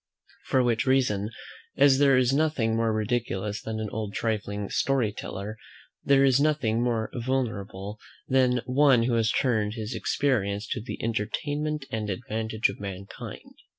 For which reason, as there is nothing more ridiculous than an old trifling story teller, so there is nothing more venerable than one who has turned his experience to the entertainment and advantage of mankind.